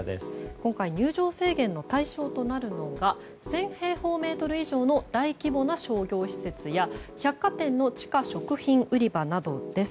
今回入場制限の対象となるのが１０００平方メートル以上の大規模な商業施設や百貨店の地下食料品売り場などです。